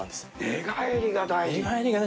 寝返りが大事。